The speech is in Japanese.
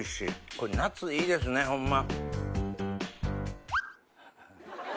これ夏いいですねホンマ。